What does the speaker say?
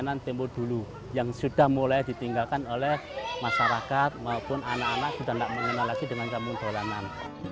permainan tembok dulu yang sudah mulai ditinggalkan oleh masyarakat maupun anak anak sudah tidak mengenalasi dengan kampung dolanan